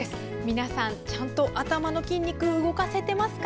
皆さん、ちゃんと頭の筋肉動かせてますか？